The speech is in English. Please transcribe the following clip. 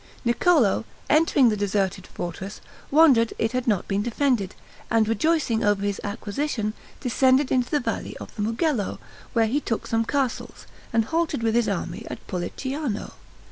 Niccolo, entering the deserted fortress, wondered it had not been defended, and, rejoicing over his acquisition, descended into the valley of the Mugello, where he took some castles, and halted with his army at Pulicciano.